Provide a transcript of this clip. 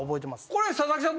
これ佐々木さん